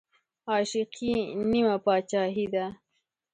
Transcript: عاشقي نيمه باچاهي ده